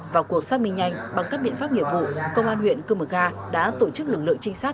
vào cuộc xác minh nhanh bằng các biện pháp nghiệp vụ công an huyện cư mờ ga đã tổ chức lực lượng trinh sát